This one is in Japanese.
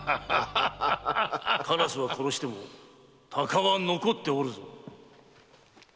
・鴉は殺しても鷹は残っておるぞ！